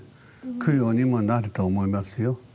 供養にもなると思いますよ。